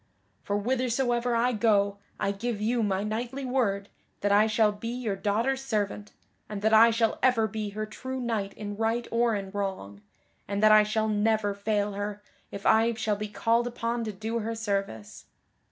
For whithersoever I go I give you my knightly word that I shall be your daughter's servant, and that I shall ever be her true knight in right or in wrong, and that I shall never fail her if I shall be called upon to do her service."